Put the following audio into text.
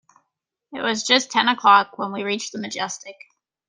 It was just ten o'clock when we reached the Majestic.